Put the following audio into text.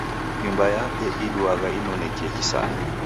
Nyumba yape iduagha inonekie kisaya.